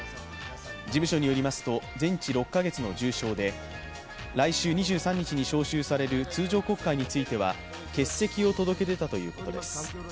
事務所によりますと、全治６か月の重傷で来週２３日に召集される通常国会については欠席を届け出たということです。